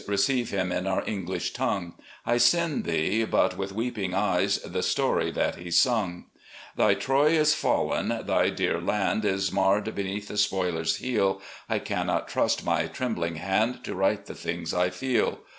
Receive him in our English tongue I I send thee, but with weeping eyes, The story that he simg. THE IDOL OF THE SOUTH 213 "Thy Troy is fallen, — ^thy dear land Is marred beneath the spoiler's heel — I cannot trust my trembling hand To write the things I feel.